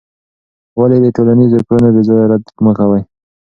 ولې د ټولنیزو کړنو بېځایه رد مه کوې؟